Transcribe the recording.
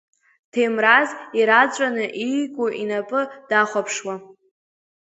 Ҭемраз ираҵәаны иику инапы дахәаԥшуа.